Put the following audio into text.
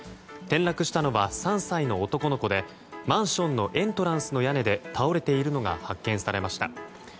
転落したのは３歳の男の子でマンションのエントランスの屋根で倒れているのが発見されました。